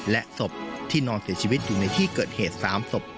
และศพที่นอนเสียชีวิตอยู่ในที่เกิดเหตุ๓ศพ